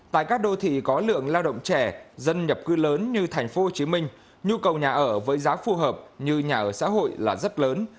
tại các đô thị có lượng lao động trẻ dân nhập cư lớn như thành phố hồ chí minh nhu cầu nhà ở với giá phù hợp như nhà ở xã hội là rất lớn